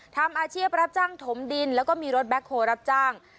ทำอาชีพรับจ้างถมดินแล้วก็มีรถแบ็คโฮลรับจ้าง